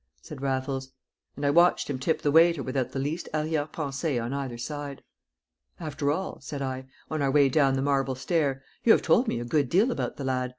said Raffles. And I watched him tip the waiter without the least arrière pensée on either side. "After all," said I, on our way down the marble stair, "you have told me a good deal about the lad.